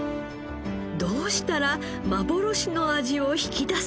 どうしたら幻の味を引き出せるのか？